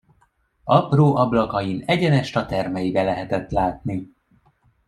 Apró ablakain egyenest a termeibe lehetett látni.